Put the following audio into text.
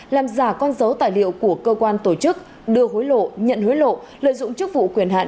làm giả con dấu tài liệu của cơ quan tổ chức đưa hối lộ nhận hối lộ lợi dụng chức vụ quyền hạn